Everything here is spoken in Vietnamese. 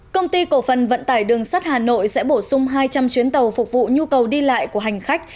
công ty cổ phần vận tải đường sắt hà nội sẽ bổ sung hai trăm linh chuyến tàu phục vụ nhu cầu đi lại của hành khách